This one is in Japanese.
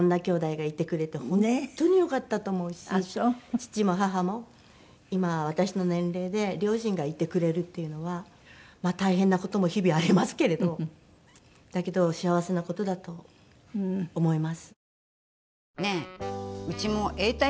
父も母も今私の年齢で両親がいてくれるっていうのは大変な事も日々ありますけれどだけど幸せな事だと思います。